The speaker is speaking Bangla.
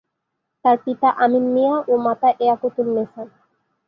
তার পিতা আমিন মিয়া ও মাতা এয়াকুতুন্নেছা।